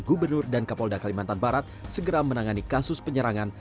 gubernur dan kapolda kalimantan barat segera menangani kasus penyerangan